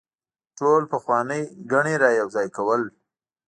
ټولې پخوانۍ ګڼې رايوځاي کول